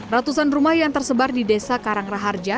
ratusan rumah yang tersebar di desa karang raharja